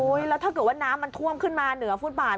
แล้วถ้าเกิดว่าน้ำมันท่วมขึ้นมาเหนือฟุตบาท